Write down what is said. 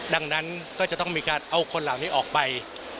ดังนั้นก็จะต้องมีการเอาคนเหล่านี้ออกไป